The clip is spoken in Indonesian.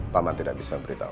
paman tidak bisa beritahu